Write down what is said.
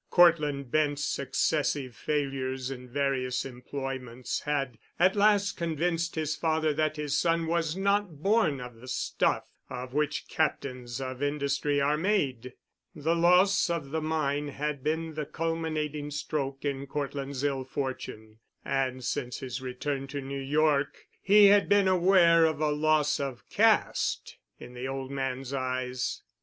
Cortland Bent's successive failures in various employments had at last convinced his father that his son was not born of the stuff of which Captains of Industry are made. The loss of the mine had been the culminating stroke in Cortland's ill fortune, and since his return to New York he had been aware of a loss of caste in the old man's eyes.